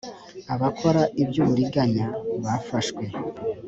abakora iby ‘uburiganya bafashwe.